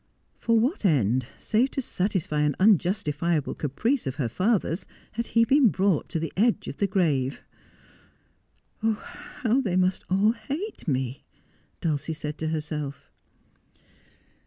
For what end, save to gratify an unjustifiable caprice of her father's, had he been brought to the edge of the grave 1 ' How they must all hate me !' Dulcie said to herself.